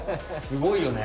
すごいよね。